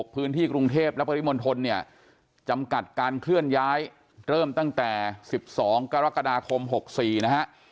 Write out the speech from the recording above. พื้นที่กรุงเทพและปริมณฑลเนี่ยจำกัดการเคลื่อนย้ายเริ่มตั้งแต่๑๒กรกฎาคม๖๔นะฮะ